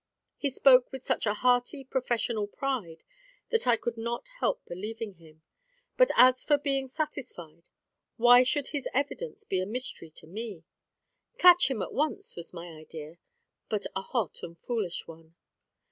He spoke with such hearty professional pride, that I could not help believing him. But as for being satisfied why should his evidence be a mystery to me? "Catch him at once," was my idea; but a hot and foolish one.